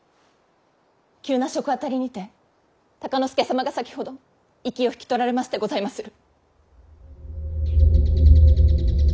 急な食あたりにて敬之助様が先ほど息を引き取られましてございまする！